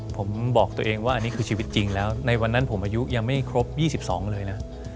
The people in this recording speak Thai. ผมบอกตัวเองว่าอันนี้คือชีวิตจริงแล้วในวันนั้นผมอายุยังไม่ครบ๒๒เลยนะ